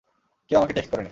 কেউ আমাক টেক্সট করেনি।